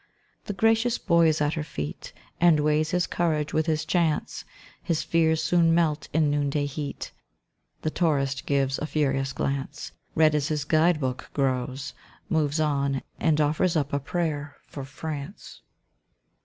The gracious boy is at her feet, And weighs his courage with his chance; His fears soon melt in noonday heat. The tourist gives a furious glance, Red as his guide book grows, moves on, and offers up a prayer for France.